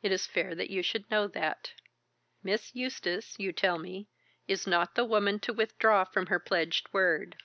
It is fair that you should know that. Miss Eustace, you tell me, is not the woman to withdraw from her pledged word.